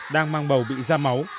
đang mang bầu bị da máu